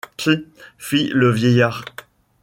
Pttt ! fit le vieillard.